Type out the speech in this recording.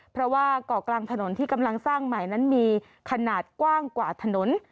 เพราะว่าเกาะกลางถนนที่กำลังสร้างใหม่นั้นมีขนาดกว้างกว่าถนน